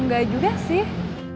gak juga sih